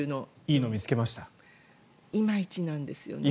いまいちなんですよね。